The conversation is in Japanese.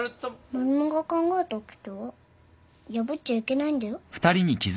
マルモが考えたおきては破っちゃいけないんだよ。